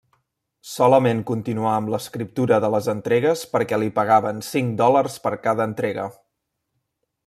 Solament continuà amb l'escriptura de les entregues perquè li pagaven cinc dòlars per cada entrega.